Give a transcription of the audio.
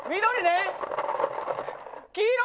黄色！